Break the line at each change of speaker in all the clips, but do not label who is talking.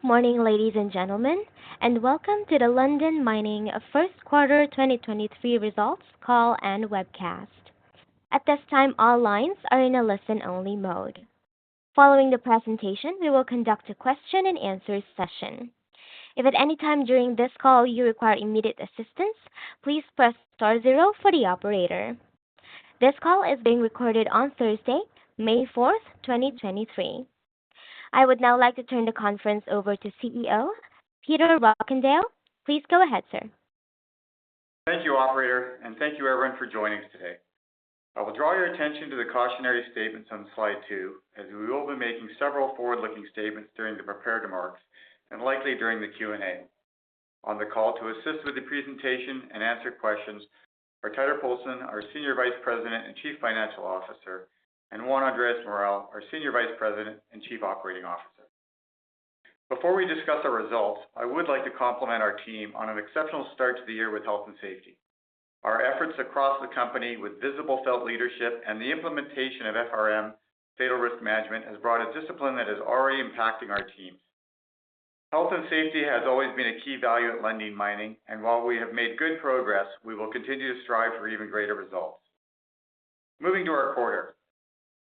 Good morning, ladies and gentlemen, welcome to the Lundin Mining First Quarter 2023 results call and webcast. At this time, all lines are in a listen-only mode. Following the presentation, we will conduct a question and answer session. If at any time during this call you require immediate assistance, please press star zero for the operator. This call is being recorded on Thursday, May 4th, 2023. I would now like to turn the conference over to CEO Peter Rockandel. Please go ahead, sir.
Thank you, operator. Thank you everyone for joining us today. I will draw your attention to the cautionary statements on slide two, as we will be making several forward-looking statements during the prepared remarks and likely during the Q&A. On the call to assist with the presentation and answer questions are Teitur Poulsen, our Senior Vice President and Chief Financial Officer, and Juan Andrés Morel, our Senior Vice President and Chief Operating Officer. Before we discuss our results, I would like to compliment our team on an exceptional start to the year with health and safety. Our efforts across the company with visible self-leadership and the implementation of FRM, Fatal Risk Management, has brought a discipline that is already impacting our teams. Health and safety has always been a key value at Lundin Mining. While we have made good progress, we will continue to strive for even greater results. Moving to our quarter.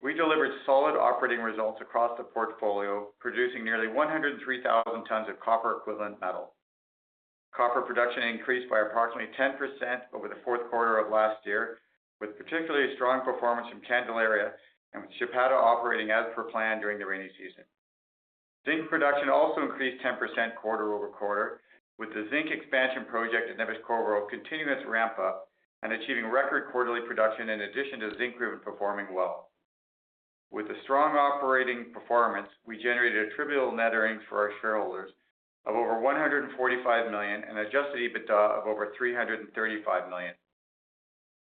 We delivered solid operating results across the portfolio, producing nearly 103,000 tons of copper equivalent metal. Copper production increased by approximately 10% over the fourth quarter of last year, with particularly strong performance from Candelaria and Chapada operating as per plan during the rainy season. Zinc production also increased 10% quarter over quarter, with the Zinc Expansion Project at Neves-Corvo continuing its ramp up and achieving record quarterly production in addition to Zinkgruvan performing well. With the strong operating performance, we generated attributable net earnings for our shareholders of over $145 million and adjusted EBITDA of over $335 million.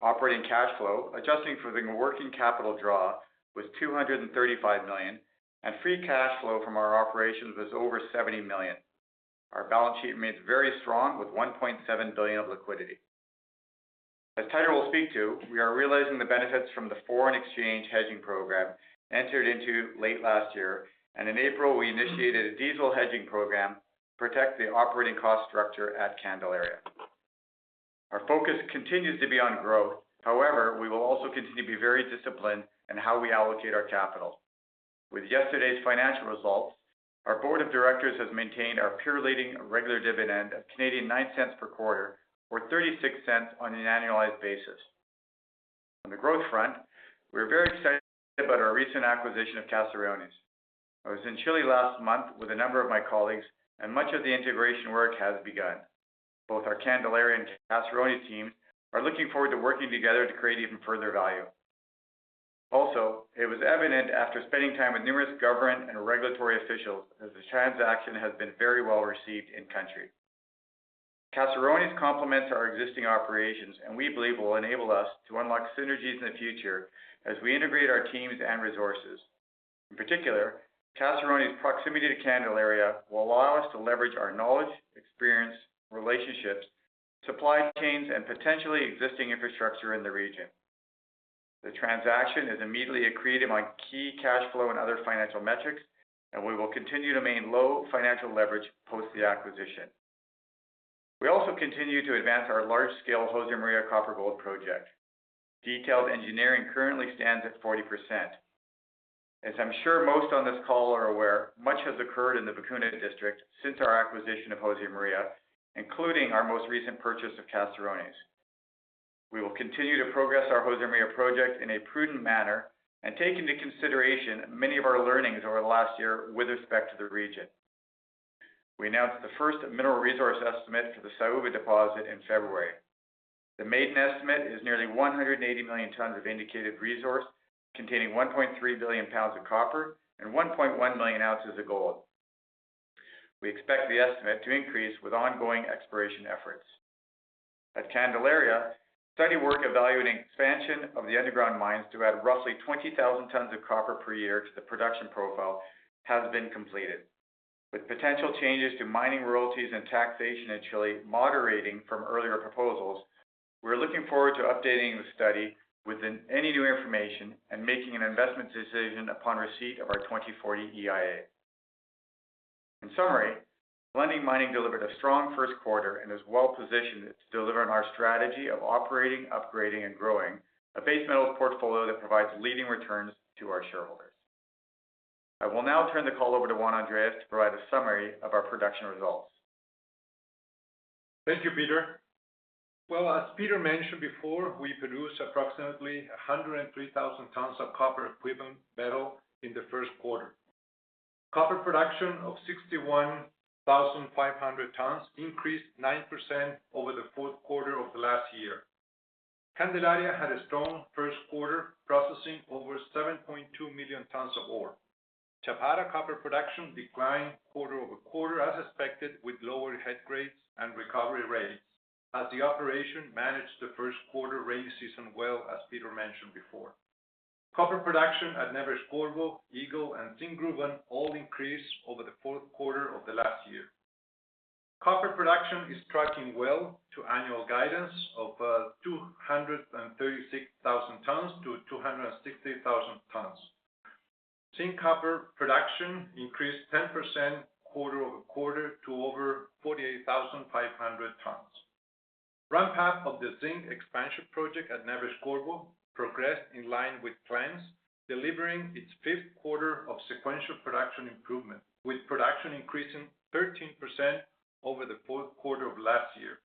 Operating cash flow, adjusting for the working capital draw, was $235 million. Free cash flow from our operations was over $70 million. Our balance sheet remains very strong with $1.7 billion of liquidity. As Teitur Poulsen will speak to, we are realizing the benefits from the foreign exchange hedging program entered into late last year. In April, we initiated a diesel hedging program to protect the operating cost structure at Candelaria. Our focus continues to be on growth. However, we will also continue to be very disciplined in how we allocate our capital. With yesterday's financial results, our board of directors has maintained our peer-leading regular dividend of 0.09 per quarter, or 0.36 on an annualized basis. On the growth front, we're very excited about our recent acquisition of Caserones. I was in Chile last month with a number of my colleagues, and much of the integration work has begun. Both our Candelaria and Caserones teams are looking forward to working together to create even further value. It was evident after spending time with numerous government and regulatory officials that the transaction has been very well-received in country. Caserones complements our existing operations, and we believe will enable us to unlock synergies in the future as we integrate our teams and resources. In particular, Caserones' proximity to Candelaria will allow us to leverage our knowledge, experience, relationships, supply chains, and potentially existing infrastructure in the region. The transaction has immediately accreted among key cash flow and other financial metrics, and we will continue to maintain low financial leverage post the acquisition. We also continue to advance our large-scale Josemaria copper- gold project. Detailed engineering currently stands at 40%. As I'm sure most on this call are aware, much has occurred in the Vicuña District since our acquisition of Josemaria, including our most recent purchase of Caserones. We will continue to progress our Josemaria project in a prudent manner and take into consideration many of our learnings over the last year with respect to the region. We announced the first mineral resource estimate for the Saúva deposit in February. The maiden estimate is nearly 180 million tons of indicated resource containing 1.3 billion lbs of copper and 1.1 million ounces of gold. We expect the estimate to increase with ongoing exploration efforts. At Candelaria, study work evaluating expansion of the underground mines to add roughly 20,000 tons of copper per year to the production profile has been completed. With potential changes to mining royalties and taxation in Chile moderating from earlier proposals, we're looking forward to updating the study within any new information and making an investment decision upon receipt of our 2040 EIA. In summary, Lundin Mining delivered a strong first quarter and is well-positioned to deliver on our strategy of operating, upgrading, and growing a base metal portfolio that provides leading returns to our shareholders. I will now turn the call over to Juan Andrés to provide a summary of our production results.
Thank you, Peter. Well, as Peter mentioned before, we produced approximately 103,000 tons of copper equivalent metal in the first quarter. Copper production of 61,500 tons increased 9% over the fourth quarter of last year. Candelaria had a strong first quarter, processing over 7.2 million tons of ore. Chapada copper production declined quarter-over-quarter as expected with lower head grades and recovery rates as the operation managed the first quarter rainy season well, as Peter mentioned before. Copper production at Neves-Corvo, Eagle, and Zinkgruvan all increased over the fourth quarter of the last year. Copper production is tracking well to annual guidance of 236,000-260,000 tons. Zinc-copper production increased 10% quarter-over-quarter to over 48,500 tons. Ramp-up of the zinc expansion project at Neves-Corvo progressed in line with plans, delivering its fifth quarter of sequential production improvement, with production increasing 13% over the fourth quarter of last year.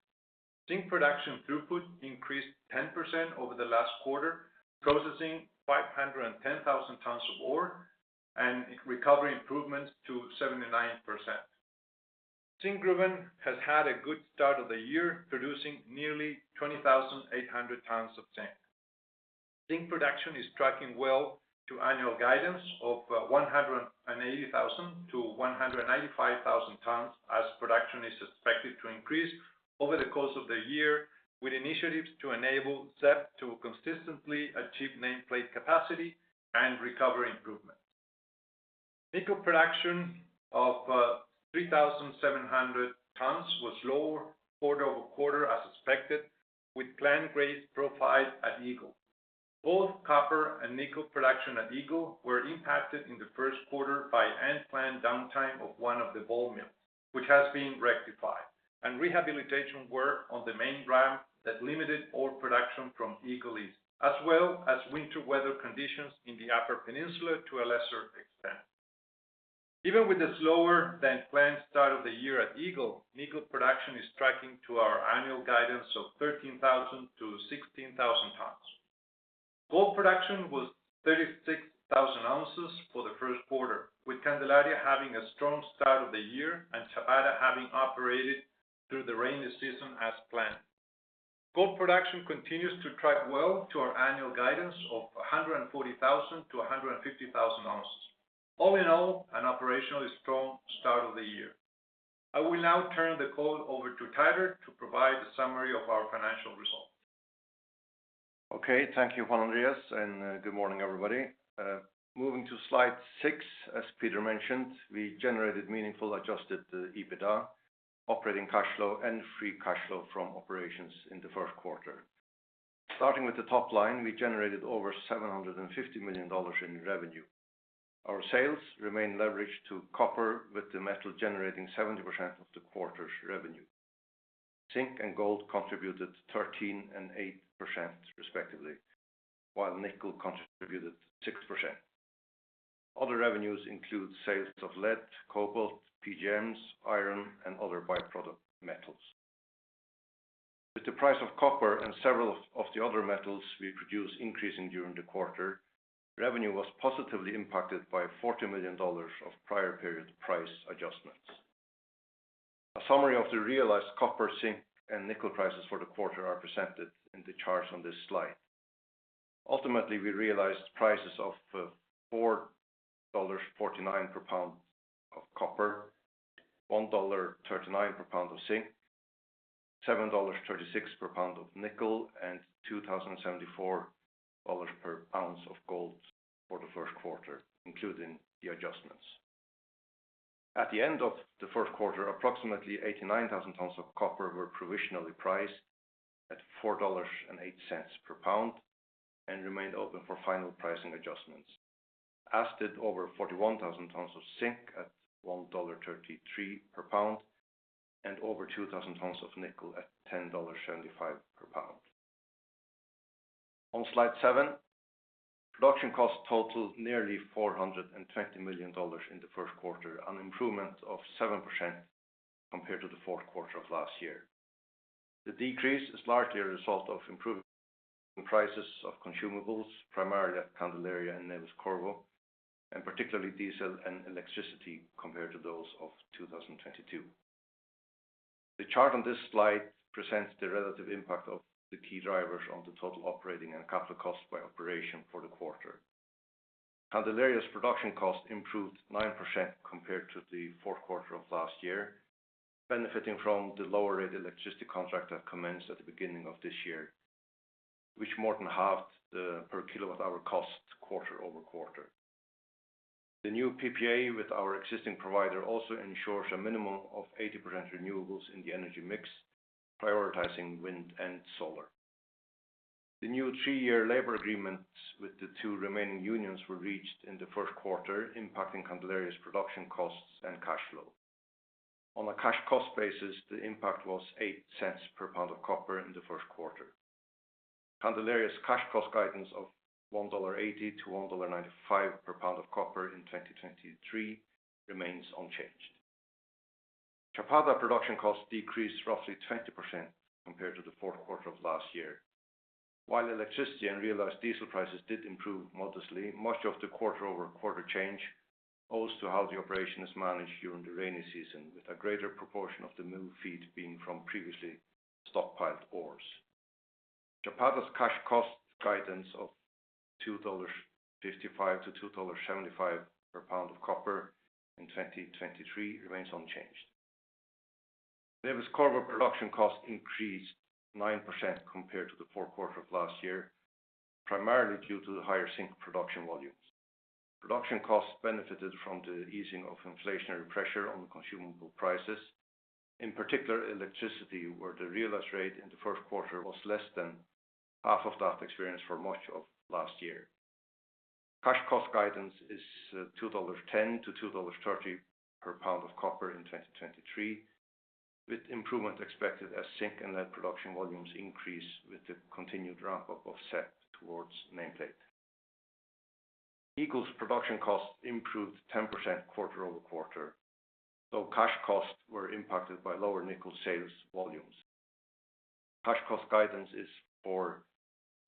Zinc production throughput increased 10% over the last quarter, processing 510,000 tons of ore and recovery improvements to 79%. Zinkgruvan has had a good start of the year, producing nearly 20,800 tons of zinc. Zinc production is tracking well to annual guidance of 180,000-195,000 tons as production is expected to increase over the course of the year with initiatives to enable ZEP to consistently achieve nameplate capacity and recovery improvement. Nickel production of 3,700 tons was lower quarter-over-quarter as expected, with planned grade profile at Eagle. Both copper and nickel production at Eagle were impacted in the first quarter by unplanned downtime of one of the ball mills, which has been rectified, and rehabilitation work on the main ramp that limited ore production from Eagle East, as well as winter weather conditions in the upper peninsula to a lesser extent. Even with a slower-than-planned start of the year at Eagle, nickel production is tracking to our annual guidance of 13,000-16,000 tons. Gold production was 36,000 ounces for the first quarter, with Candelaria having a strong start of the year and Chapada having operated through the rainy season as planned. Gold production continues to track well to our annual guidance of 140,000-150,000 ounces. All in all, an operationally strong start of the year. I will now turn the call over to Teitur to provide a summary of our financial results.
Okay. Thank you, Juan Andrés, and good morning, everybody. Moving to slide six, as Peter mentioned, we generated meaningful adjusted EBITDA, operating cash flow, and free cash flow from operations in the first quarter. Starting with the top line, we generated over $750 million in revenue. Our sales remain leveraged to copper, with the metal generating 70% of the quarter's revenue. Zinc and gold contributed 13% and 8% respectively, while nickel contributed 6%. Other revenues include sales of lead, cobalt, PGMs, iron, and other byproduct metals. With the price of copper and several of the other metals we produce increasing during the quarter, revenue was positively impacted by $40 million of prior period price adjustments. A summary of the realized copper, zinc, and nickel prices for the quarter are presented in the charts on this slide. Ultimately, we realized prices of $4.49 per lbs of copper, $1.39 per lbs of zinc, $7.36 per lbs of nickel, and $2,074 per ounce of gold for the first quarter, including the adjustments. At the end of the first quarter, approximately 89,000 tons of copper were provisionally priced at $4.08 per lbs and remained open for final pricing adjustments, as did over 41,000 tons of zinc at $1.33 per lbs and over 2,000 tons of nickel at $10.75 per lbs. On slide 7, production costs totaled nearly $420 million in the first quarter, an improvement of 7% compared to the fourth quarter of last year. The decrease is largely a result of improving prices of consumables, primarily at Candelaria and Neves-Corvo, and particularly diesel and electricity compared to those of 2022. The chart on this slide presents the relative impact of the key drivers on the total operating and capital costs by operation for the quarter. Candelaria's production cost improved 9% compared to the fourth quarter of last year, benefiting from the lower-rate electricity contract that commenced at the beginning of this year, which more than halved the per kWh cost quarter-over-quarter. The new PPA with our existing provider also ensures a minimum of 80% renewables in the energy mix, prioritizing wind and solar. The new three-year labor agreements with the two remaining unions were reached in the first quarter, impacting Candelaria's production costs and cash flow. On a cash cost basis, the impact was $0.08 per lbs of copper in the first quarter. Candelaria's cash cost guidance of $1.80-$1.95 per lbs of copper in 2023 remains unchanged. Chapada production costs decreased roughly 20% compared to the fourth quarter of last year. While electricity and realized diesel prices did improve modestly, much of the quarter-over-quarter change owes to how the operation is managed during the rainy season, with a greater proportion of the mill feed being from previously stockpiled ores. Chapada's cash cost guidance of $2.55-$2.75 per lbs of copper in 2023 remains unchanged. Neves-Corvo production costs increased 9% compared to the fourth quarter of last year, primarily due to the higher zinc production volumes. Production costs benefited from the easing of inflationary pressure on consumable prices. In particular, electricity, where the realized rate in the first quarter was less than half of that experienced for much of last year. Cash cost guidance is $2.10-$2.30 per lbs of copper in 2023, with improvement expected as zinc and lead production volumes increase with the continued ramp-up of ZEP towards nameplate. Eagle's production costs improved 10% quarter-over-quarter, though cash costs were impacted by lower nickel sales volumes. Cash cost guidance is for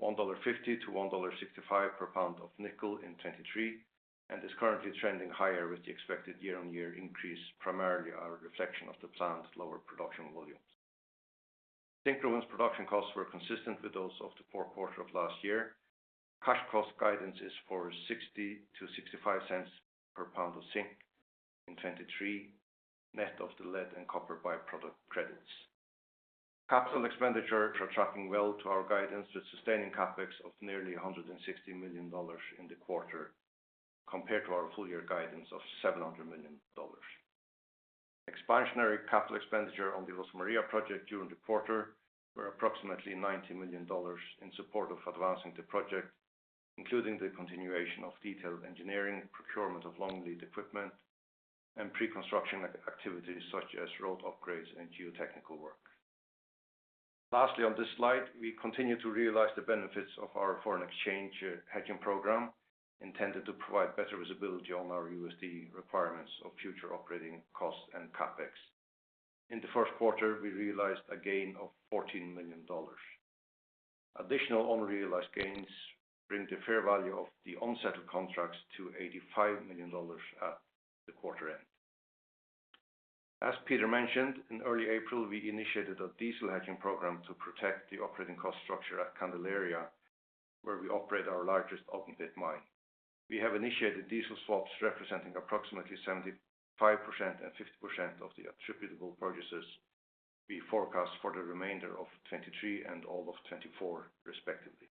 $1.50-$1.65 per lbs of nickel in 2023 and is currently trending higher with the expected year-on-year increase, primarily a reflection of the planned lower production volumes. Zinkgruvan production costs were consistent with those of the fourth quarter of last year. Cash cost guidance is for $0.60-$0.65 per lbs of zinc in 2023, net of the lead and copper by-product credits. Capital expenditure are tracking well to our guidance with sustaining CapEx of nearly $160 million in the quarter compared to our full-year guidance of $700 million. Expansionary capital expenditure on the Rosmarinha project during the quarter were approximately $90 million in support of advancing the project, including the continuation of detailed engineering, procurement of long-lead equipment, and pre-construction activities such as road upgrades and geotechnical work. Lastly, on this slide, we continue to realize the benefits of our foreign exchange hedging program intended to provide better visibility on our USD requirements of future operating costs and CapEx. In the first quarter, we realized a gain of $14 million. Additional unrealized gains bring the fair value of the unsettled contracts to $85 million at the quarter end. As Peter mentioned, in early April, we initiated a diesel hedging program to protect the operating cost structure at Candelaria, where we operate our largest open-pit mine. We have initiated diesel swaps representing approximately 75% and 50% of the attributable purchases we forecast for the remainder of 2023 and all of 2024, respectively.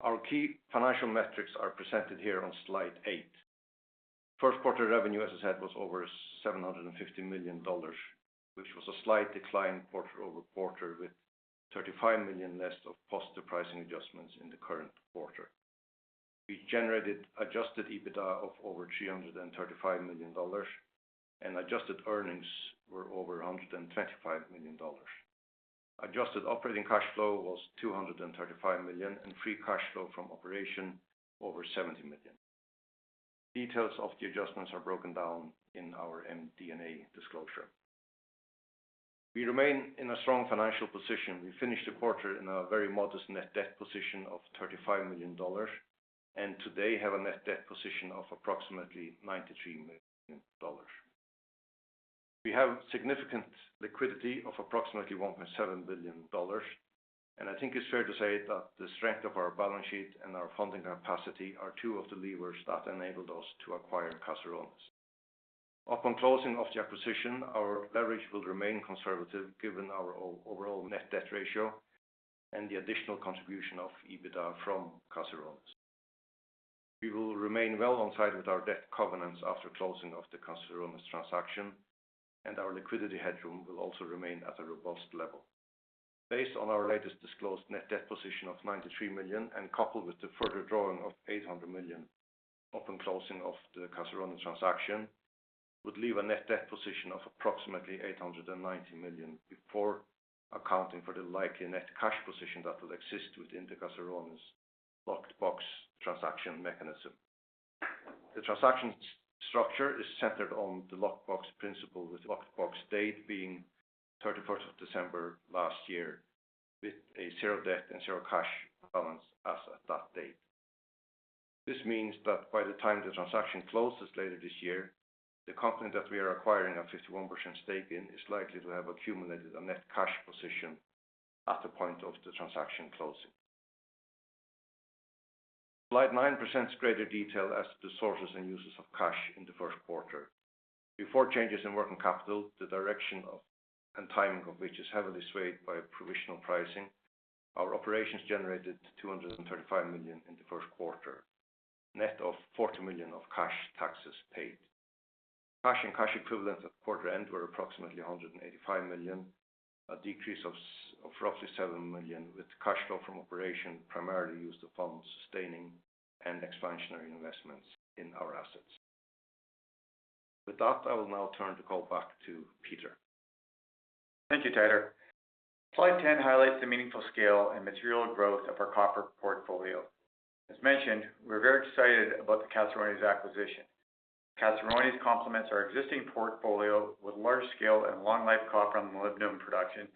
Our key financial metrics are presented here on slide eight. First quarter revenue, as I said, was over $750 million, which was a slight decline quarter-over-quarter, with $35 million less of positive pricing adjustments in the current quarter. We generated adjusted EBITDA of over $335 million, and adjusted earnings were over $125 million. Adjusted operating cash flow was $235 million. Free cash flow from operation over $70 million. Details of the adjustments are broken down in our MD&A disclosure. We remain in a strong financial position. We finished the quarter in a very modest net debt position of $35 million, and today have a net debt position of approximately $93 million. We have significant liquidity of approximately $1.7 billion, and I think it's fair to say that the strength of our balance sheet and our funding capacity are two of the levers that enabled us to acquire Caserones. Upon closing of the acquisition, our leverage will remain conservative given our overall net debt ratio and the additional contribution of EBITDA from Caserones. We will remain well on side with our debt covenants after closing of the Caserones transaction, and our liquidity headroom will also remain at a robust level. Based on our latest disclosed net debt position of $93 million, and coupled with the further drawing of $800 million upon closing of the Caserones transaction, would leave a net debt position of approximately $890 million before accounting for the likely net cash position that will exist within the Caserones locked box transaction mechanism. The transaction structure is centered on the locked box principle, with the locked box date being December 31st, 2023, with a zero debt and zero cash balance as at that date. This means that by the time the transaction closes later this year, the company that we are acquiring a 51% stake in is likely to have accumulated a net cash position at the point of the transaction closing. Slide presents greater detail as to sources and uses of cash in the first quarter. Before changes in working capital, the direction of and timing of which is heavily swayed by provisional pricing, our operations generated $235 million in the first quarter, net of $40 million of cash taxes paid. Cash and cash equivalents at quarter end were approximately $185 million, a decrease of roughly $7 million, with cash flow from operation primarily used to fund sustaining and expansionary investments in our assets. With that, I will now turn the call back to Peter.
Thank you, Teitur. Slide 10 highlights the meaningful scale and material growth of our copper portfolio. As mentioned, we're very excited about the Caserones acquisition. Caserones complements our existing portfolio with large scale and long life copper and molybdenum production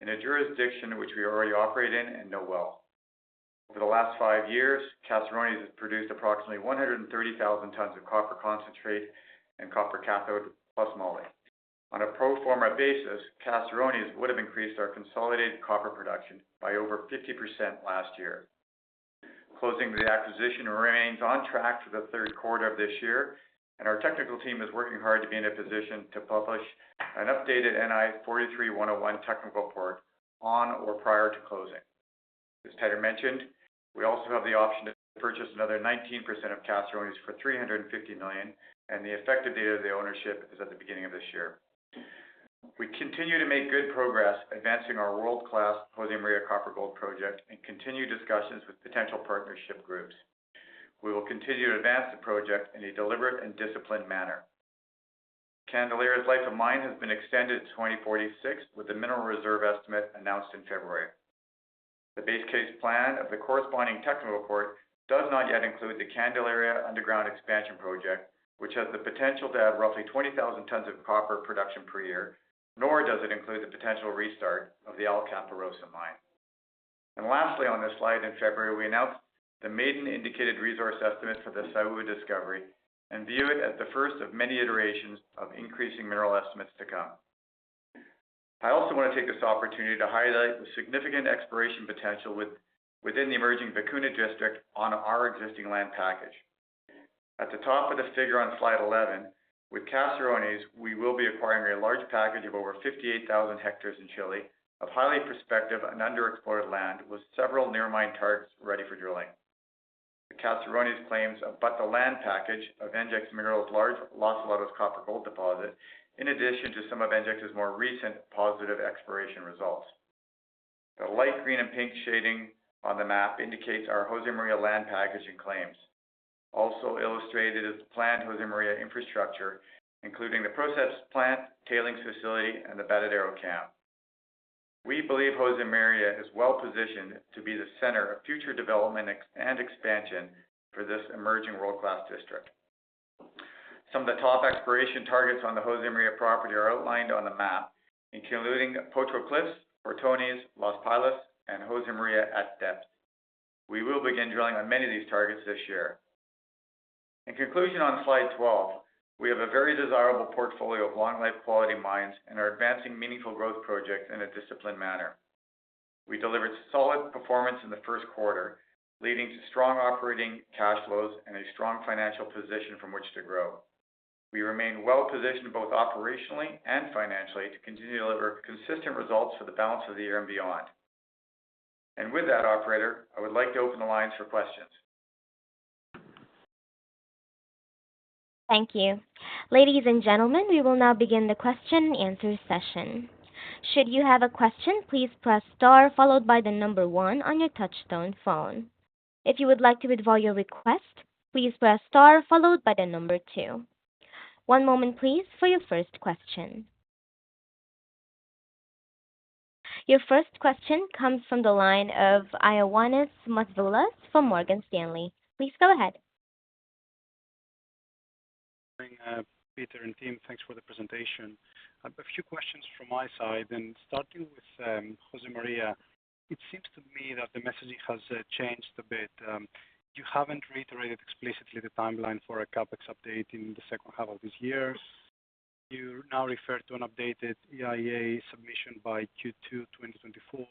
in a jurisdiction which we already operate in and know well. Over the last five years, Caserones has produced approximately 130,000 tons of copper concentrate and copper cathode plus moly. On a pro forma basis, Caserones would have increased our consolidated copper production by over 50% last year. Closing the acquisition remains on track for the third quarter of this year, and our technical team is working hard to be in a position to publish an updated NI 43-101 technical report on or prior to closing. As Peter mentioned, we also have the option to purchase another 19% of Caserones for $350 million, and the effective date of the ownership is at the beginning of this year. We continue to make good progress advancing our world-class Josemaria copper gold project and continue discussions with potential partnership groups. We will continue to advance the project in a deliberate and disciplined manner. Candelaria's life of mine has been extended to 2046 with the mineral reserve estimate announced in February. The base case plan of the corresponding technical report does not yet include the Candelaria underground expansion project, which has the potential to add roughly 20,000 tons of copper production per year, nor does it include the potential restart of the Alcaparrosa mine. Lastly on this slide, in February, we announced the maiden indicated resource estimate for the Saúva discovery and view it as the first of many iterations of increasing mineral estimates to come. I also want to take this opportunity to highlight the significant exploration potential within the emerging Vicuña district on our existing land package. At the top of the figure on slide 11, with Caserones, we will be acquiring a large package of over 58,000 hectares in Chile of highly prospective and underexplored land with several near mine targets ready for drilling. The Caserones claims abut the land package of NGEx Minerals' large Los Palos copper-gold deposit, in addition to some of NGEx's more recent positive exploration results. The light green and pink shading on the map indicates our Josemaria land package and claims. Also illustrated is the planned Josemaria infrastructure, including the process plant, tailings facility, and the Batidero camp. We believe Josemaria is well positioned to be the center of future development and expansion for this emerging world-class district. Some of the top exploration targets on the Josemaria property are outlined on the map, including Potro Cliffs, Orcones, Los Palos, and Josemaria at depth. We will begin drilling on many of these targets this year. In conclusion, on slide 12, we have a very desirable portfolio of long-life quality mines and are advancing meaningful growth projects in a disciplined manner. We delivered solid performance in the first quarter, leading to strong operating cash flows and a strong financial position from which to grow. We remain well positioned both operationally and financially to continue to deliver consistent results for the balance of the year and beyond. With that, operator, I would like to open the lines for questions.
Thank you. Ladies and gentlemen, we will now begin the question and answer session. Should you have a question, please press star followed by one on your touchtone phone. If you would like to withdraw your request, please press star followed by two. One moment, please, for your first question. Your first question comes from the line of Ioannis Masvoulas from Morgan Stanley. Please go ahead.
Good morning, Peter and team. Thanks for the presentation. Starting with Josemaria, it seems to me that the messaging has changed a bit. You haven't reiterated explicitly the timeline for a CapEx update in the second half of this year. You now refer to an updated EIA submission by Q2 2024,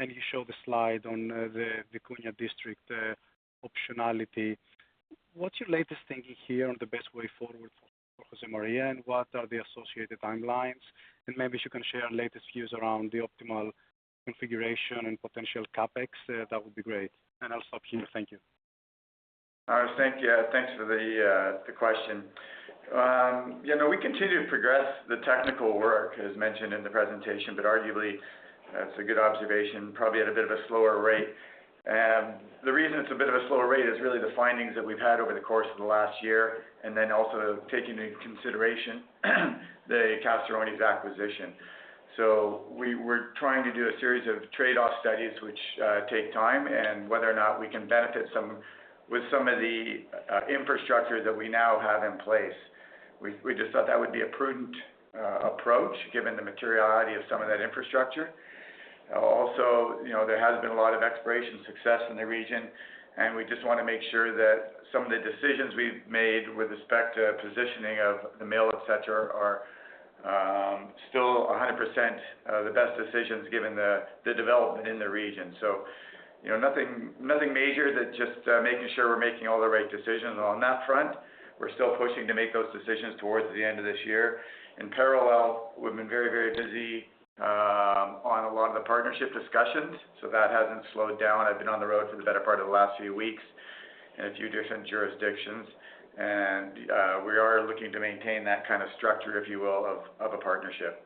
you show the slide on the Vicuña District optionality. What's your latest thinking here on the best way forward for Josemaria, what are the associated timelines? Maybe if you can share latest views around the optimal configuration and potential CapEx, that would be great. I'll stop here. Thank you.
Thank you. Thanks for the question. You know, we continue to progress the technical work, as mentioned in the presentation, but arguably, it's a good observation, probably at a bit of a slower rate. The reason it's a bit of a slower rate is really the findings that we've had over the course of the last year and then also taking into consideration the Caserones acquisition. We're trying to do a series of trade-off studies, which take time and whether or not we can benefit with some of the infrastructure that we now have in place. We just thought that would be a prudent approach given the materiality of some of that infrastructure. You know, there has been a lot of exploration success in the region, and we just want to make sure that some of the decisions we've made with respect to positioning of the mill, et cetera, are still 100% the best decisions given the development in the region. You know, nothing major than just making sure we're making all the right decisions on that front. We're still pushing to make those decisions towards the end of this year. In parallel, we've been very busy on a lot of the partnership discussions, that hasn't slowed down. I've been on the road for the better part of the last few weeks in a few different jurisdictions. We are looking to maintain that kind of structure, if you will, of a partnership.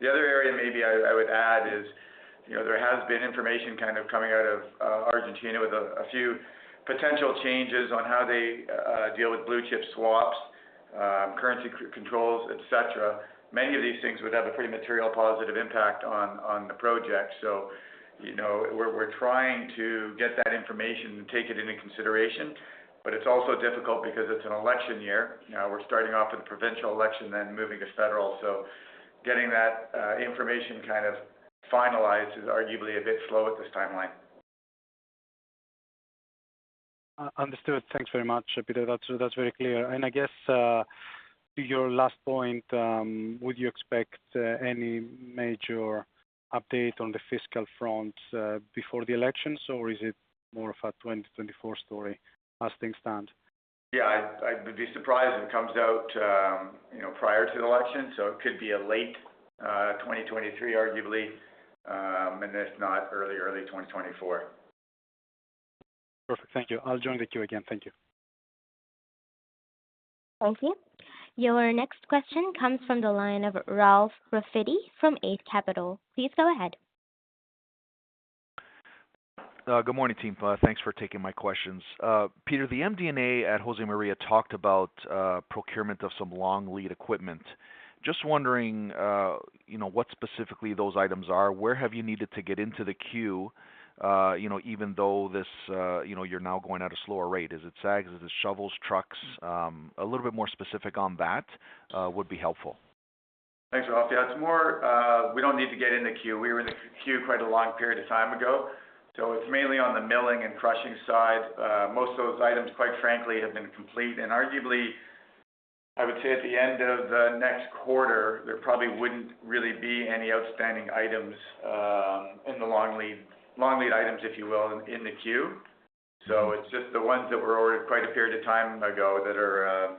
The other area maybe I would add is, you know, there has been information kind of coming out of Argentina with a few potential changes on how they deal with blue-chip swaps, currency controls, et cetera. Many of these things would have a pretty material positive impact on the project. You know, we're trying to get that information and take it into consideration. It's also difficult because it's an election year. You know, we're starting off with a provincial election, then moving to federal. Getting that information kind of finalized is arguably a bit slow at this timeline.
Understood. Thanks very much, Peter. That's very clear. I guess, to your last point, would you expect any major update on the fiscal front before the elections, or is it more of a 2024 story as things stand?
Yeah, I would be surprised if it comes out, you know, prior to the election. It could be a late, 2023 arguably, if not early 2024.
Perfect. Thank you. I'll join the queue again. Thank you.
Thank you. Your next question comes from the line of Ralph Profiti from Eight Capital. Please go ahead.
Good morning, team. Thanks for taking my questions. Peter, the MD&A at Josemaria talked about procurement of some long lead equipment. Just wondering, you know, what specifically those items are. Where have you needed to get into the queue, you know, even though this, you know, you're now going at a slower rate, is it sag, is it shovels, trucks? A little bit more specific on that would be helpful.
Thanks, Ralph. Yeah, it's more, we don't need to get in the queue. We were in the queue quite a long period of time ago, so it's mainly on the milling and crushing side. Most of those items, quite frankly, have been complete. Arguably, I would say at the end of the next quarter, there probably wouldn't really be any outstanding items in the long lead items, if you will, in the queue. It's just the ones that were ordered quite a period of time ago that are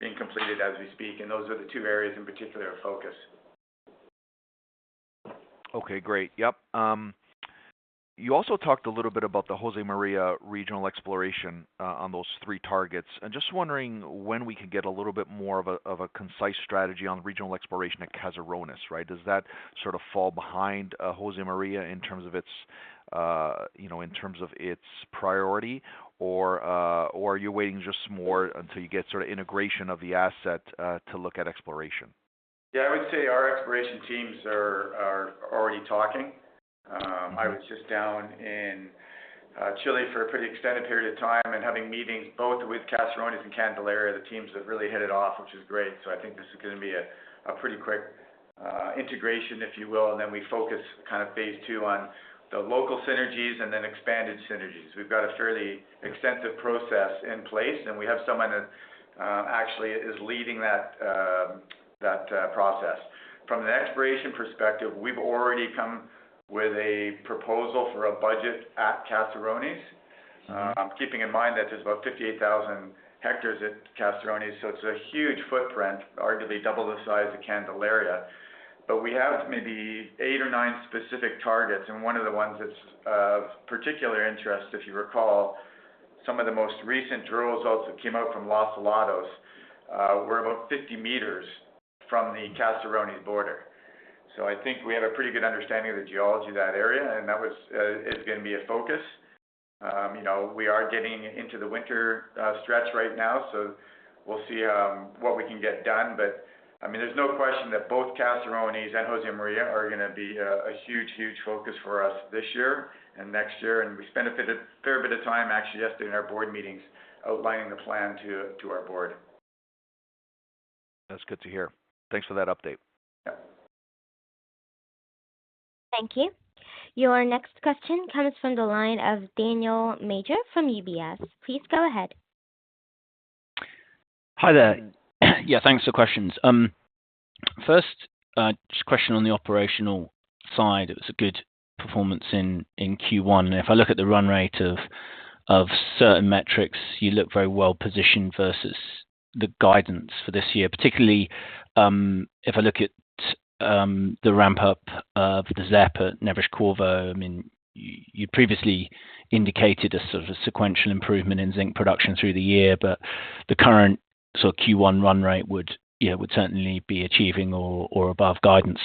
being completed as we speak. Those are the two areas in particular of focus.
Okay, great. Yep. You also talked a little bit about the Josemaria regional exploration on those three targets. Just wondering when we could get a little bit more of a concise strategy on regional exploration at Caserones, right? Does that sort of fall behind Josemaria in terms of its, you know, in terms of its priority? Or are you waiting just more until you get sort of integration of the asset to look at exploration?
I would say our exploration teams are already talking. I was just down in Chile for a pretty extended period of time and having meetings both with Caserones and Candelaria. The teams have really hit it off, which is great. I think this is going to be a pretty quick integration, if you will. We focus kind of phase two on the local synergies and then expanded synergies. We've got a fairly extensive process in place, and we have someone that actually is leading that process. From an exploration perspective, we've already come with a proposal for a budget at Caserones. Keeping in mind that there's about 58,000 hectares at Caserones, so it's a huge footprint, arguably double the size of Candelaria. We have maybe eight or nine specific targets, and one of the ones that's of particular interest, if you recall, some of the most recent drill results that came out from Los Filados, were about 50 meters from the Caserones border. I think we have a pretty good understanding of the geology of that area, and that was, is gonna be a focus. You know, we are getting into the winter stretch right now, so we'll see what we can get done. I mean, there's no question that both Caserones and Josemaria are gonna be a huge focus for us this year and next year. We spent fair bit of time actually yesterday in our board meetings outlining the plan to our board.
That's good to hear. Thanks for that update.
Yeah.
Thank you. Your next question comes from the line of Daniel Major from UBS. Please go ahead.
Hi there. Yeah, thanks for questions. First, just a question on the operational side. It was a good performance in Q1. If I look at the run rate of certain metrics, you look very well positioned versus the guidance for this year, particularly, if I look at the ramp up of the ZEP, Neves-Corvo. I mean, you previously indicated a sort of a sequential improvement in zinc production through the year, but the current sort of Q1 run rate would, you know, would certainly be achieving or above guidance.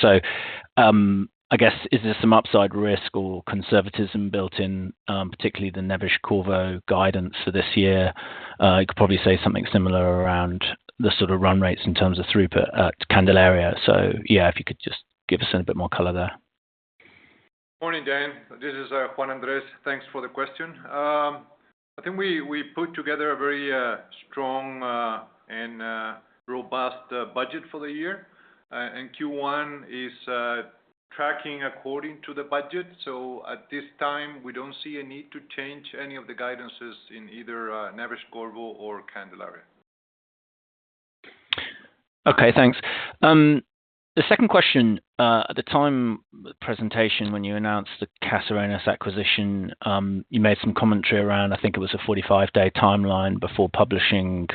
I guess, is there some upside risk or conservatism built in, particularly the Neves-Corvo guidance for this year? You could probably say something similar around the sort of run rates in terms of throughput at Candelaria. Yeah, if you could just give us a little bit more color there.
Morning, Dan. This is Juan Andrés. Thanks for the question. I think we put together a very strong and robust budget for the year, and Q1 is tracking according to the budget. At this time, we don't see a need to change any of the guidances in either Neves-Corvo or Candelaria.
Okay, thanks. The second question, at the time of presentation, when you announced the Caserones acquisition, you made some commentary around, I think it was a 45-day timeline before publishing,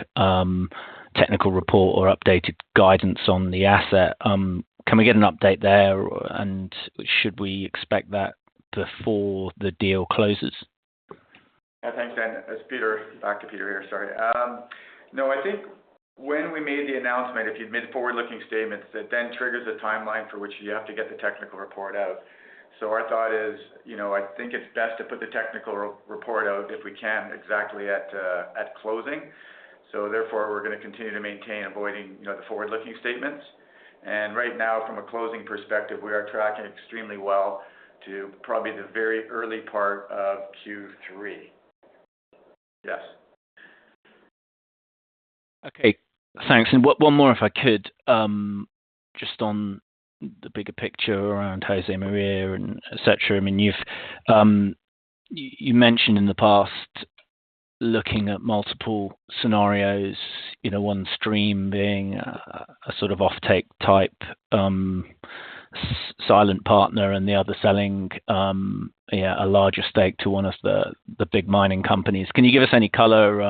technical report or updated guidance on the asset. Can we get an update there, and should we expect that before the deal closes?
Thanks, Dan. It's Peter. Back to Peter here. Sorry. No, I think when we made the announcement, if you've made forward-looking statements, that then triggers a timeline for which you have to get the technical report out. Our thought is, you know, I think it's best to put the technical report out, if we can, exactly at closing. Therefore, we're gonna continue to maintain avoiding, you know, the forward-looking statements. Right now, from a closing perspective, we are tracking extremely well to probably the very early part of Q3. Yes.
Okay, thanks. One more if I could, just on the bigger picture around Josemaria and et cetera. I mean, you've mentioned in the past looking at multiple scenarios, you know, one stream being a sort of offtake type silent partner and the other selling, yeah, a larger stake to one of the big mining companies. Can you give us any color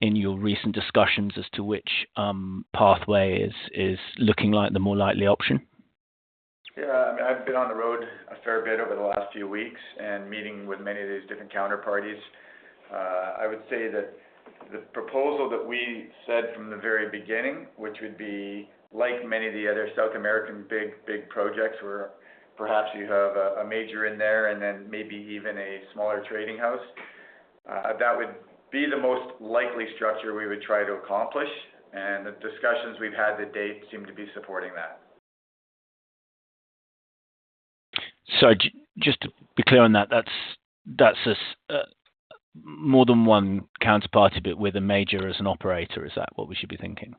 in your recent discussions as to which pathway is looking like the more likely option?
Yeah. I mean, I've been on the road a fair bit over the last few weeks and meeting with many of these different counterparties. I would say that the proposal that we said from the very beginning, which would be like many of the other South American big projects where perhaps you have a major in there and then maybe even a smaller trading house, that would be the most likely structure we would try to accomplish. The discussions we've had to date seem to be supporting that.
Just to be clear on that's more than one counterparty but with a major as an operator. Is that what we should be thinking?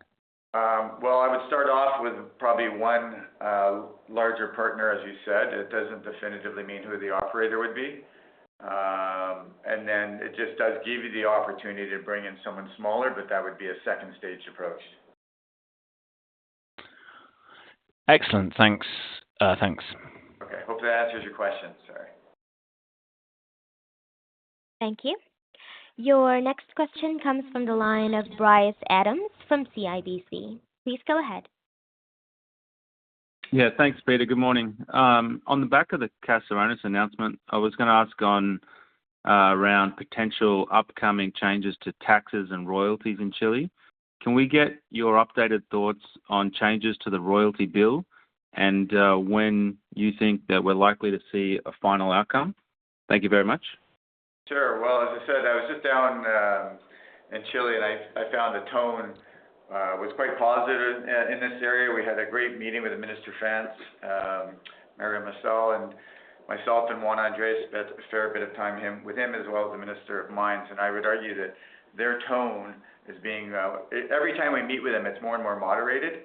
Well, I would start off with probably one larger partner, as you said. Then it just does give you the opportunity to bring in someone smaller, but that would be a second stage approach.
Excellent. Thanks.
Okay. Hope that answers your question, sir.
Thank you. Your next question comes from the line of Bryce Adams from CIBC. Please go ahead.
Yeah. Thanks, Peter. Good morning. On the back of the Caserones announcement, I was gonna ask on, around potential upcoming changes to taxes and royalties in Chile. Can we get your updated thoughts on changes to the royalty bill and, when you think that we're likely to see a final outcome? Thank you very much.
Sure. Well, as I said, I was just down in Chile, and I found the tone was quite positive in this area. We had a great meeting with the Minister of Finance, Mario Marcel. Myself and Juan Andrés spent a fair bit of time with him as well as the Minister of Mines. I would argue that their tone is being every time we meet with them, it's more and more moderated.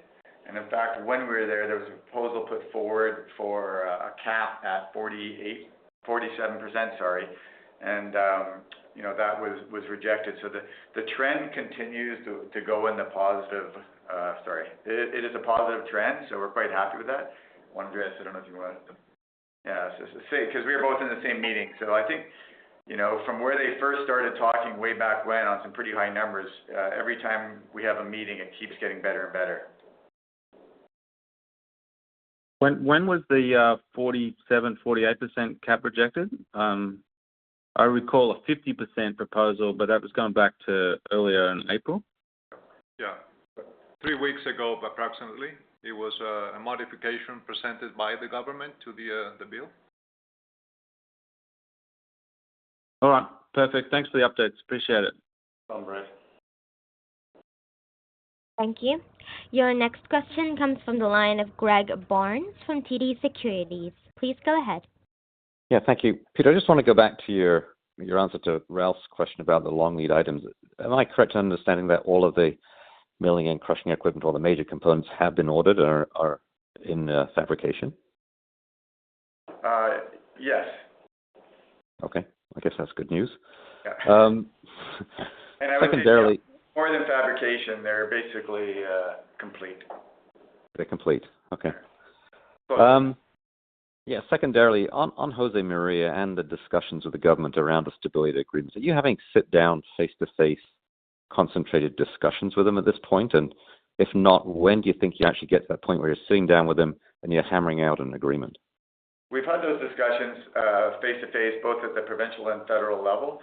In fact, when we were there was a proposal put forward for a cap at 47%, sorry, and, you know, that was rejected. The trend continues to go in the positive. It is a positive trend, so we're quite happy with that. Juan Andrés, I don't know if you want. We were both in the same meeting. I think, you know, from where they first started talking way back when on some pretty high numbers, every time we have a meeting, it keeps getting better and better.
When was the 47%-48% cap rejected? I recall a 50% proposal, but that was going back to earlier in April.
Yeah. Three weeks ago approximately. It was a modification presented by the government to the bill.
All right. Perfect. Thanks for the updates. Appreciate it.
No problem, Bryce.
Thank you. Your next question comes from the line of Greg Barnes from TD Securities. Please go ahead.
Thank you. Peter, I just wanna go back to your answer to Ralph's question about the long lead items. Am I correct in understanding that all of the milling and crushing equipment, all the major components have been ordered or are in fabrication?
Yes.
Okay. I guess that's good news.
Yeah.
Um, secondarily-
I would say more than fabrication, they're basically complete.
They're complete. Okay. yeah. Secondarily, on Josemaria and the discussions with the government around the stability agreement, are you having sit down face-to-face concentrated discussions with them at this point? If not, when do you think you actually get to that point where you're sitting down with them and you're hammering out an agreement?
We've had those discussions, face-to-face, both at the provincial and federal level.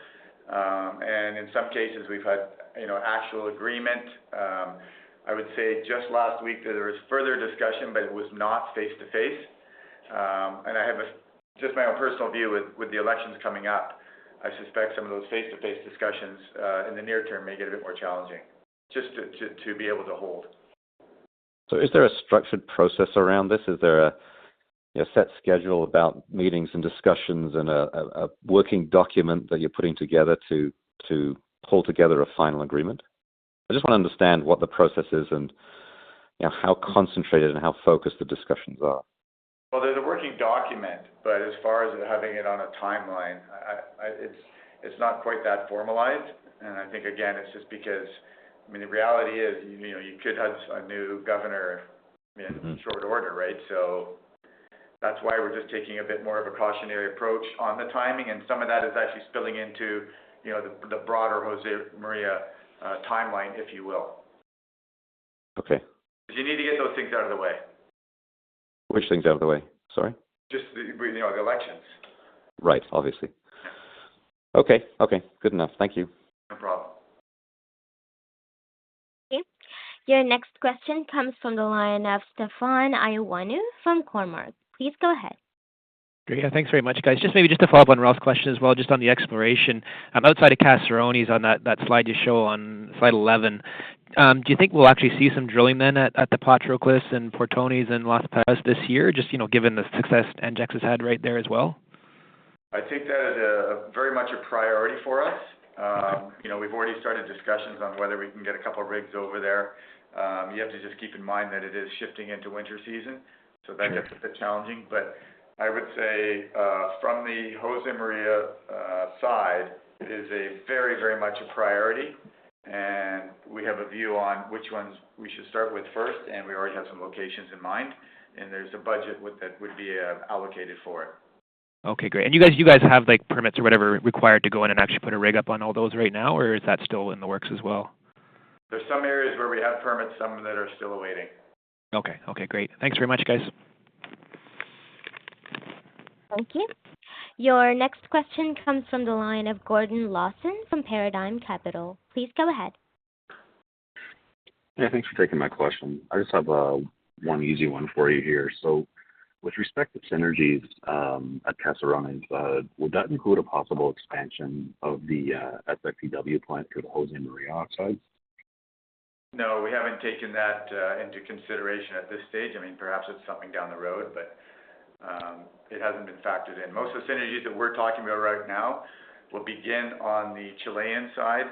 In some cases, we've had, you know, actual agreement. I would say just last week there was further discussion, but it was not face-to-face. I have just my own personal view with the elections coming up, I suspect some of those face-to-face discussions in the near term may get a bit more challenging just to be able to hold.
Is there a structured process around this? Is there a set schedule about meetings and discussions and a working document that you're putting together to pull together a final agreement? I just wanna understand what the process is and, you know, how concentrated and how focused the discussions are.
Well, there's a working document, but as far as having it on a timeline, it's not quite that formalized. I think, again, it's just because, I mean, the reality is, you know, you could have a new governor in short order, right? That's why we're just taking a bit more of a cautionary approach on the timing, and some of that is actually spilling into, you know, the broader Josemaria timeline, if you will.
Okay.
'Cause you need to get those things out of the way.
Which things out of the way? Sorry.
Just the, you know, the elections.
Right. Obviously. Okay. Okay. Good enough. Thank you.
No problem.
Okay. Your next question comes from the line of Stefan Ioannou from Cormark. Please go ahead.
Great. Thanks very much, guys. Just maybe just to follow up on Ralph's question as well, just on the exploration. Outside of Caserones on that slide you show on slide 11, do you think we'll actually see some drilling then at the Potro Cliffs and Portones and Las Perlas this year just, you know, given the success NGEx has had right there as well?
I think that is a very much a priority for us. You know, we've already started discussions on whether we can get a couple rigs over there. You have to just keep in mind that it is shifting into winter season, so that gets a bit challenging. I would say, from the Josemaria side, it is a very much a priority, and we have a view on which ones we should start with first, and we already have some locations in mind, and there's a budget with that would be allocated for it.
Okay, great. You guys have, like, permits or whatever required to go in and actually put a rig up on all those right now? Is that still in the works as well?
There's some areas where we have permits, some that are still awaiting.
Okay. Okay, great. Thanks very much, guys.
Thank you. Your next question comes from the line of Gordon Lawson from Paradigm Capital. Please go ahead.
Yeah, thanks for taking my question. I just have one easy one for you here. With respect to synergies, at Caserones, would that include a possible expansion of the SFPW plant through the Josemaria oxides?
No, we haven't taken that into consideration at this stage. I mean, perhaps it's something down the road, but, it hasn't been factored in. Most of the synergies that we're talking about right now will begin on the Chilean side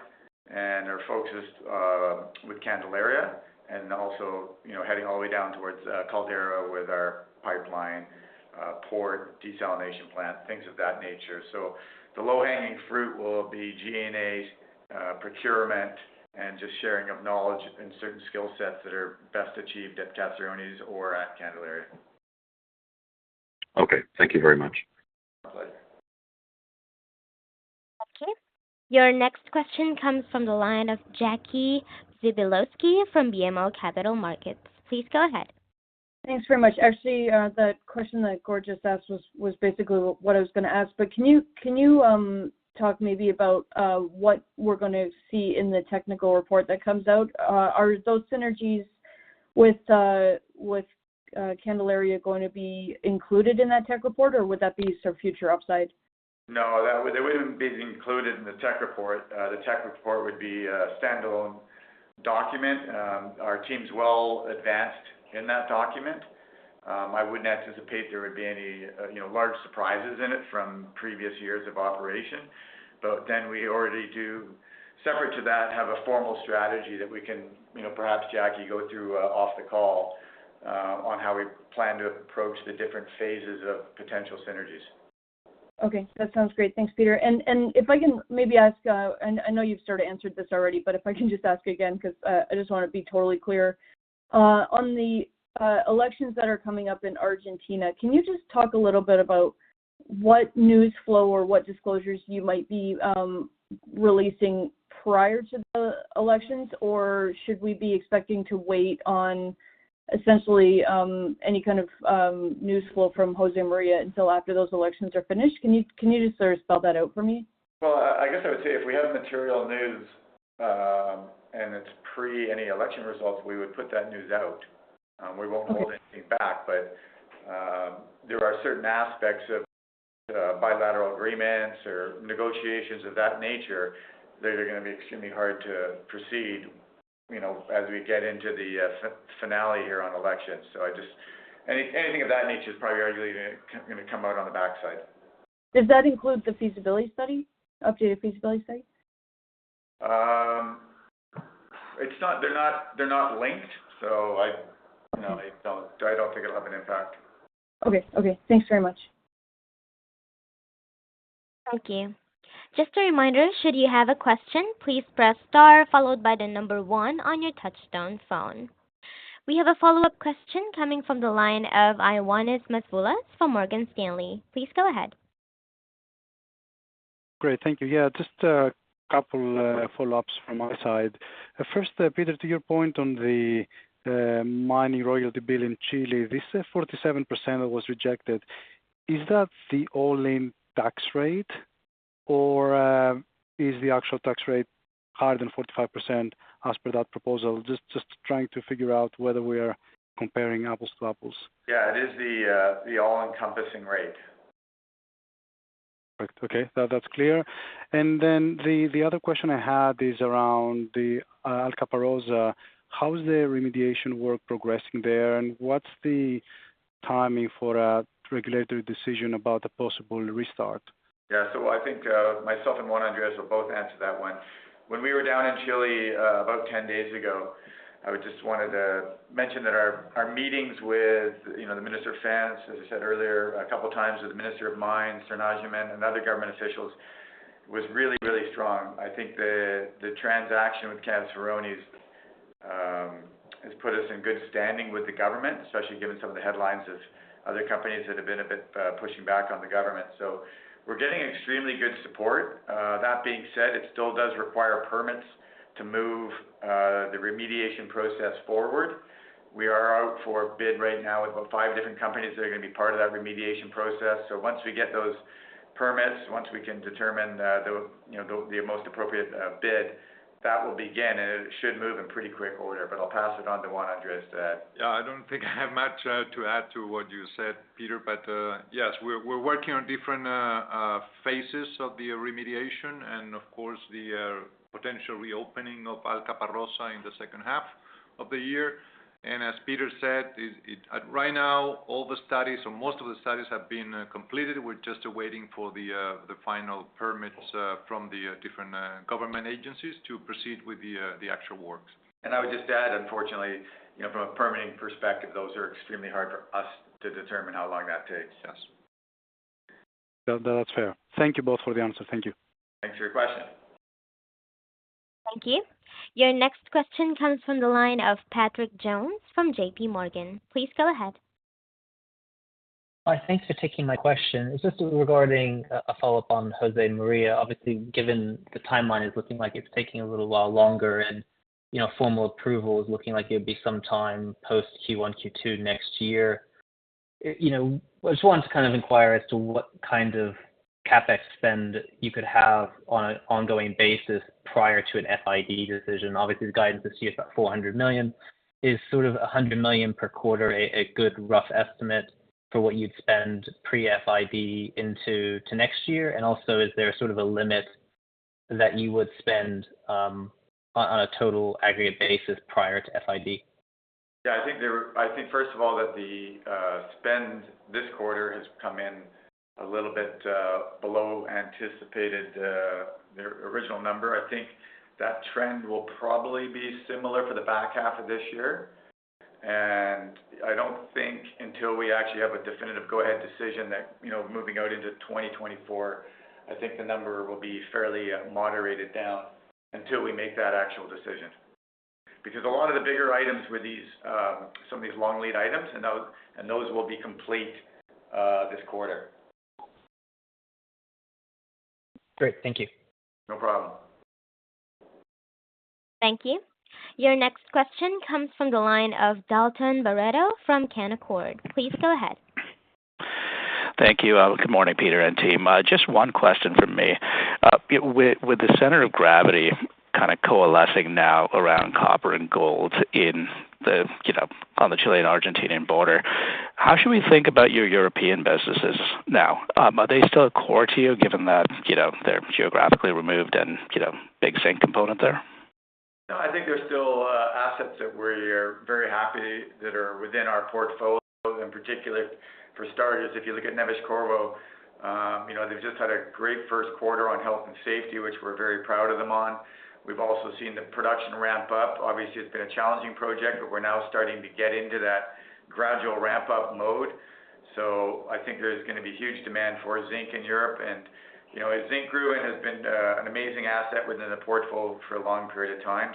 and are focused with Candelaria and also, you know, heading all the way down towards Caldera with our pipeline, port desalination plant, things of that nature. The low-hanging fruit will be G&A, procurement and just sharing of knowledge and certain skill sets that are best achieved at Caserones or at Candelaria.
Okay, thank you very much.
My pleasure.
Okay. Your next question comes from the line of Jackie Przybylowski from BMO Capital Markets. Please go ahead.
Thanks very much. Actually, the question that Gordon just asked was basically what I was going to ask. Can you talk maybe about what we're going to see in the technical report that comes out? Are those synergies with Candelaria going to be included in that tech report, or would that be some future upside?
No, they wouldn't be included in the tech report. The tech report would be a standalone document. Our team's well advanced in that document. I wouldn't anticipate there would be any, you know, large surprises in it from previous years of operation. We already do, separate to that, have a formal strategy that we can, you know, perhaps, Jackie, go through, off the call, on how we plan to approach the different phases of potential synergies.
Okay, that sounds great. Thanks, Peter. If I can maybe ask, and I know you've sort of answered this already, but if I can just ask again because I just wanna be totally clear. On the elections that are coming up in Argentina, can you just talk a little bit about what news flow or what disclosures you might be releasing prior to the elections, or should we be expecting to wait on essentially, any kind of news flow from Josemaria until after those elections are finished? Can you just sort of spell that out for me?
Well, I guess I would say if we have material news, and it's pre any election results, we would put that news out.
Okay.
hold anything back. There are certain aspects of bilateral agreements or negotiations of that nature that are gonna be extremely hard to proceed, you know, as we get into the finale here on elections. Anything of that nature is probably arguably gonna come out on the backside.
Does that include the feasibility study? Updated feasibility study?
They're not linked. No, I don't think it'll have an impact.
Okay. Okay, thanks very much.
Thank you. Just a reminder, should you have a question, please press star followed by one on your touchtone phone. We have a follow-up question coming from the line of Ioannis Masvoulas from Morgan Stanley. Please go ahead.
Great. Thank you. Yeah, just a couple follow-ups from my side. First, Peter, to your point on the mining royalty bill in Chile, this 47% that was rejected, is that the all-in tax rate or is the actual tax rate higher than 45% as per that proposal? Just trying to figure out whether we are comparing apples to apples.
Yeah, it is the all-encompassing rate.
Perfect. Okay, that's clear. And then the other question I had is around the Alcaparrosa. How is the remediation work progressing there, and what's the timing for a regulatory decision about the possible restart?
I think myself and Juan Andrés will both answer that one. When we were down in Chile, about 10 days ago, I just wanted to mention that our meetings with, you know, the Minister of Finance, as I said earlier, a couple times with the Minister of Mines, Marcela Hernando, and other government officials, was really, really strong. I think the transaction with Caserones has put us in good standing with the government, especially given some of the headlines of other companies that have been a bit pushing back on the government. So we're getting extremely good support. That being said, it still does require permits to move the remediation process forward. We are out for bid right now with about five different companies that are gonna be part of that remediation process. Once we get those permits, once we can determine, the, you know, the most appropriate, bid, that will begin, and it should move in pretty quick order, but I'll pass it on to Juan Andrés to add.
I don't think I have much to add to what you said, Peter, yes, we're working on different phases of the remediation and of course the potential reopening of Alcaparrosa in the second half of the year. As Peter said, Right now, all the studies or most of the studies have been completed. We're just waiting for the final permits from the different government agencies to proceed with the actual works.
I would just add, unfortunately, you know, from a permitting perspective, those are extremely hard for us to determine how long that takes.
Yes.
That's fair. Thank you both for the answers. Thank you.
Thanks for y.o.ur question.
Thank you. Your next question comes from the line of Patrick Jones from J.P. Morgan. Please go ahead.
Hi. Thanks for taking my question. It's just regarding a follow-up on Josemaria. Obviously, given the timeline is looking like it's taking a little while longer and, you know, formal approval is looking like it'd be some time post Q1, Q2 next year. You know, I just wanted to kind of inquire as to what kind of CapEx spend you could have on an ongoing basis prior to an FID decision. Obviously, the guidance this year is about $400 million. Is sort of $100 million per quarter a good rough estimate for what you'd spend pre-FID into next year? Also, is there sort of a limit that you would spend on a total aggregate basis prior to FID?
Yeah, I think there... I think first of all that the spend this quarter has come in a little bit below anticipated the original number. I think that trend will probably be similar for the back half of this year. I don't think until we actually have a definitive go-ahead decision that, you know, moving out into 2024, I think the number will be fairly moderated down until we make that actual decision. Because a lot of the bigger items were these some of these long lead items, and those will be complete this quarter.
Great. Thank you.
No problem.
Thank you. Your next question comes from the line of Dalton Baretto from Canaccord. Please go ahead.
Thank you. Good morning, Peter and team. Just one question from me. With the center of gravity kind of coalescing now around copper and gold in the, you know, on the Chilean-Argentinian border, how should we think about your European businesses now? Are they still core to you given that, you know, they're geographically removed and, you know, big zinc component there?
I think they're still assets that we're very happy that are within our portfolio, in particular for starters, if you look at Neves-Corvo. You know, they've just had a great first quarter on health and safety, which we're very proud of them on. We've also seen the production ramp up. Obviously, it's been a challenging project, but we're now starting to get into that gradual ramp-up mode. I think there's going to be huge demand for zinc in Europe. You know, and Zinkgruvan has been an amazing asset within the portfolio for a long period of time.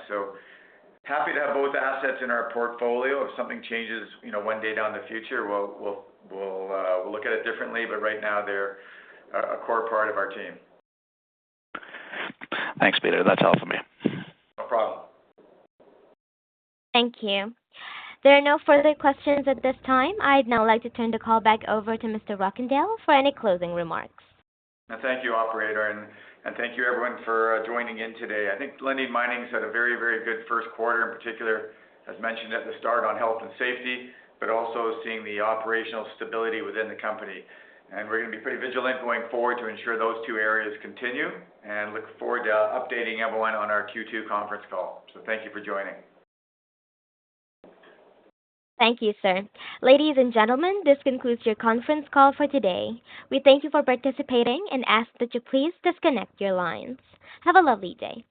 Happy to have both assets in our portfolio. If something changes, you know, one day down the future, we'll look at it differently, but right now they're a core part of our team.
Thanks, Peter. That's all for me.
No problem.
Thank you. There are no further questions at this time. I'd now like to turn the call back over to Mr. Rockandel for any closing remarks.
Thank you, operator. Thank you everyone for joining in today. I think Lundin Mining had a very good first quarter, in particular, as mentioned at the start, on health and safety, but also seeing the operational stability within the company. We're gonna be pretty vigilant going forward to ensure those two areas continue, and look forward to updating everyone on our Q2 conference call. Thank you for joining.
Thank you, sir. Ladies and gentlemen, this concludes your conference call for today. We thank you for participating and ask that you please disconnect your lines. Have a lovely day.